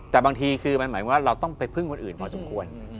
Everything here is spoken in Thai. แต่บางทีคือมันหมายว่าเราต้องไปพึ่งคนอื่นพอสมควร